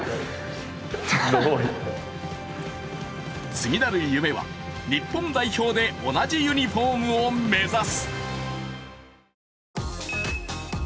次なる夢は、日本代表で同じユニフォームを目指す。